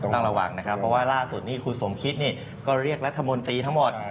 ต้องระวังนะครับเพราะว่าล่าสุดนี้คุณสมคิดก็เรียกรัฐมนตรีทั้งหมด